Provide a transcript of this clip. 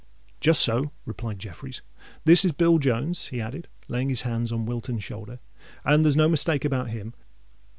"Just so," replied Jeffreys. "This is Bill Jones," he added, laying his hands on Wilton's shoulder; "and there's no mistake about him.